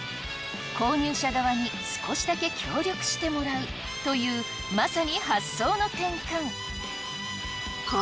購入者側に少しだけ協力してもらうというまさに発想の転換。